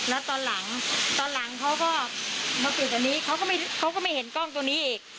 แล้วตอนหลังตอนหลังเขาก็มาปิดตรงนี้เขาก็ไม่เห็นกล้องตัวนี้อีก